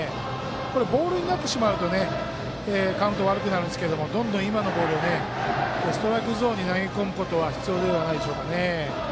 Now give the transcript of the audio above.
これボールになってしまうとカウント悪くなるんですけどどんどん、今のボールをストライクゾーンに投げ込むこと必要ではないでしょうかね。